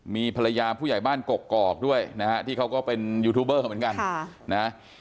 มีภรรยาผู้ใหญ่บ้านกกอกด้วยนะฮะที่เขาก็เป็นยูทูบเบอร์เหมือนกันนะ